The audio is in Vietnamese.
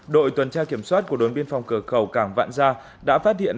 đội tuần tra kiểm soát của đồn biên phòng cửa khẩu cảng vạn gia đã phát hiện